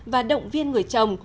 và động viên người chồng